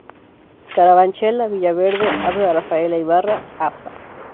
Carabanchel a Villaverde, Avda. Rafaela Ybarra, Avda.